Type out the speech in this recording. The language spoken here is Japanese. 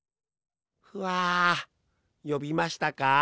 ふあよびましたか？